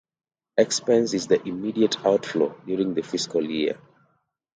Expense is the immediate outflow during the fiscal year.